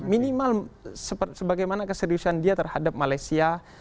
minimal sebagaimana keseriusan dia terhadap malaysia